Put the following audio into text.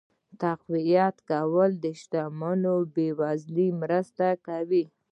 تقويه کول شتمنو بې وزلو مرسته کوي.